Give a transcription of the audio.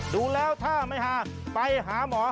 ดูแล้วถ้าไม่หาไปหาหมอ